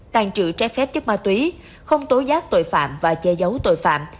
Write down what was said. tàn trữ trái phép chất ma túy không tố giác tội phạm và che giấu tội phạm